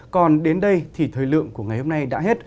còn đến đây thì thời lượng của ngày hôm nay đã hết